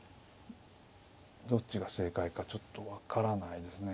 どっちが正解かちょっと分からないですね。